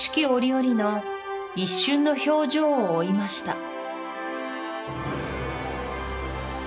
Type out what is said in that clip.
折々の一瞬の表情を追いました